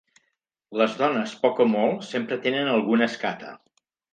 Les dones, poc o molt, sempre tenen alguna escata